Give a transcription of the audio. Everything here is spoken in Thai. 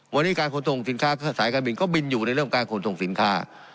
วันนี้การขนส่งสินค้าสายการบินก็บินอยู่ในเรื่องการขนส่งสินค้า